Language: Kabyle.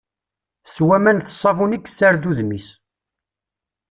S waman d ssabun i yessared udem-is.